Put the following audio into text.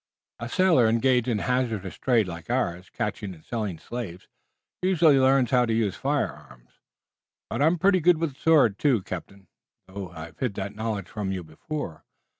A sailor engaged in a hazardous trade like ours, catching and selling slaves, usually learns how to use firearms, but I'm pretty good with the sword, too, captain, though I've hid the knowledge from you before.